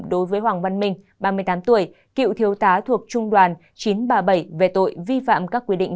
đối với hoàng văn minh ba mươi tám tuổi cựu thiếu tá thuộc trung đoàn chín trăm ba mươi bảy về tội vi phạm các quy định